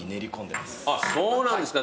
あっそうなんですか。